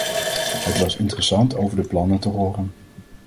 Het was interessant over de plannen te horen.